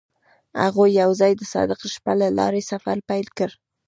هغوی یوځای د صادق شپه له لارې سفر پیل کړ.